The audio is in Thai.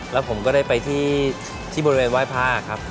แล้วผมก็ได้ไปที่บริเวณไหว้ผ้าครับ